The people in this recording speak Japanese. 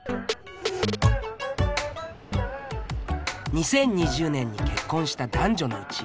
２０２０年に結婚した男女のうち